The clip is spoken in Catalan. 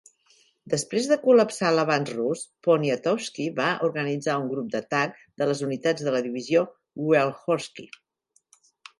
Després de col·lapsar l'avanç rus, Poniatowski va organitzar un grup d'atac de les unitats de la divisió Wielhorski.